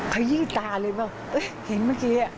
ขยี้ตาเลยเปล่าเห็นเมื่อกี้